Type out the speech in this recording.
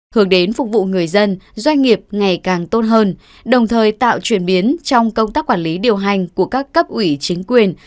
hướng đến phục vụ người dân doanh nghiệp ngày càng tốt hơn đồng thời tạo chuyển biến trong công tác quản lý điều hành của các cấp ủy chính quyền